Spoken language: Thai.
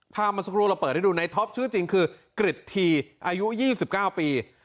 เมื่อสักครู่เราเปิดให้ดูในท็อปชื่อจริงคือกริจทีอายุ๒๙ปี